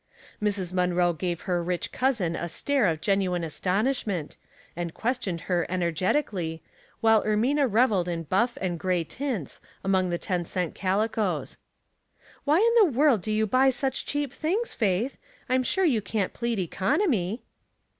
Mrs. Munroe gave her rich cousin a stare of genuine astonishment, and questioned her ener getically, while Ermina reveled in buff and gray tints, among the ten cent calicoes. " Why in the world do you buy such cheap things. Faith? I'm sure you can't plead econ omy."